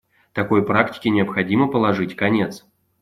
Такой практике необходимо положить конец.